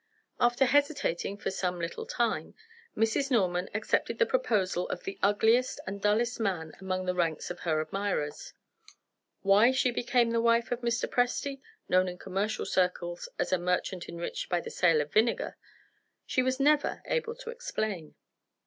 After hesitating for some little time, Mrs. Norman accepted the proposal of the ugliest and dullest man among the ranks of her admirers. Why she became the wife of Mr. Presty (known in commercial circles as a merchant enriched by the sale of vinegar) she was never able to explain.